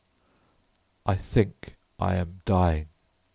I think I am dying.